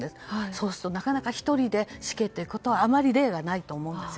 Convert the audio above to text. そうするとなかなか１人で死刑ということはあまり例がないと思うんです。